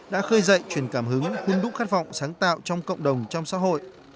đã khơi dậy truyền cảm hứng hôn đúc khát vọng sáng tạo trong cộng đồng trong xã hội